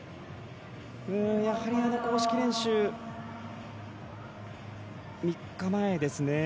やはり、あの公式練習３日前ですね。